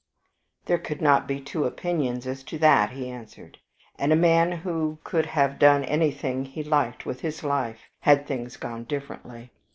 "There could not be two opinions as to that," he answered. "And a man who could have done anything he liked with life, had things gone differently.